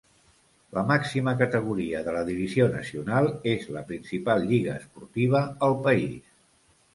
La màxima categoria de la Divisió Nacional és la principal lliga esportiva al país.